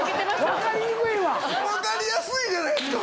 分かりやすいじゃないですか！